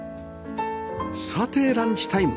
さてランチタイム